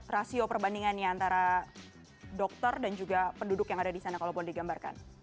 rasio perbandingannya antara dokter dan juga penduduk yang ada di sana kalau boleh digambarkan